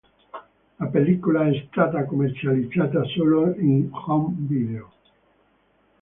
La pellicola è stata commercializzata solo in home video.